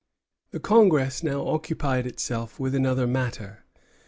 The congress now occupied itself with another matter.